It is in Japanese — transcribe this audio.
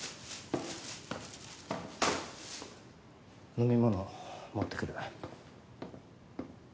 飲み物持ってくる。